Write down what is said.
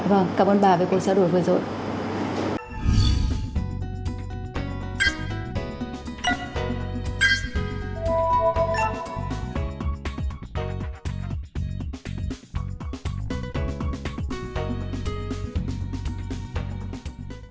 vâng cảm ơn bà với cuộc giả đổi vừa rồi